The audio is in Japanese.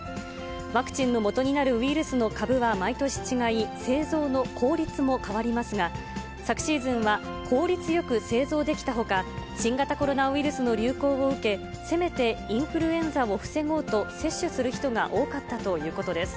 ワクチンのもとになるウイルスの株は毎年違い、製造の効率も変わりますが、昨シーズンは効率よく製造できたほか、新型コロナウイルスの流行を受け、せめてインフルエンザを防ごうと、接種する人が多かったということです。